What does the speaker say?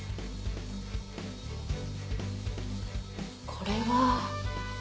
これは。